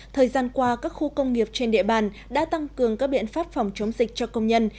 thời gian qua các khu công nghiệp trên địa bàn đã tăng cường các biện pháp phòng chống dịch cho công nhân